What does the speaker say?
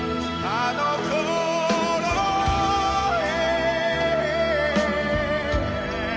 「あの頃へ」